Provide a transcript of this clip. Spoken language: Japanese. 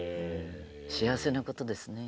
幸せなことですね。